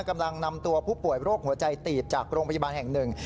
กำลังนำตัวผู้ป่วยโรคหัวใจตีบจากโรงพยาบาลแห่งหนึ่ง